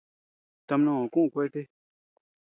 Tamnoo kuʼuu kuete.